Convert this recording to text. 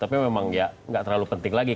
tapi memang ya nggak terlalu penting lagi